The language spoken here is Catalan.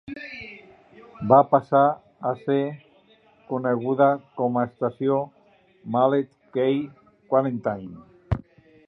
Va passar a ser coneguda com a estació Mullet Key Quarantine.